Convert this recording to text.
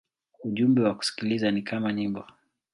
Ujumbe wa kusikiliza ni kama nyimbo.